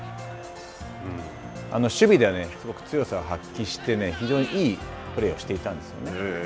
守備では、強さを発揮して非常にいいプレーをしていたんですよね。